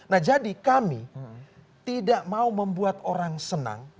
nah jadi kami tidak mau membuat orang senang